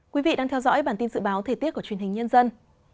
quý vị đang theo dõi bản tin dự báo thời tiết của truyền hình nhân dân